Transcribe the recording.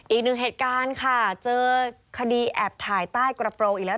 อีกหนึ่งเหตุการณ์ค่ะเจอคดีแอบถ่ายใต้กระโปรงอีกแล้ว